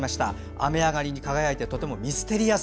雨上がりに輝いてとてもミステリアス。